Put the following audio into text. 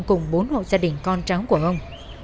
cùng bốn hộ gia đình con trắng của ông